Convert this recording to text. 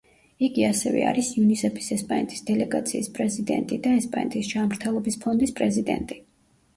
იგი ასევე არის იუნისეფის ესპანეთის დელეგაციის პრეზიდენტი და ესპანეთის ჯანმრთელობის ფონდის პრეზიდენტი.